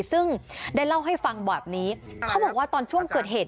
ซึ่งได้เล่าให้ฟังแบบนี้เขาบอกว่าตอนช่วงเกิดเหตุ